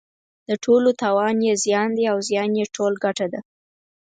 د ټولو تاوان یې زیان دی او زیان یې ټول ګټه ده.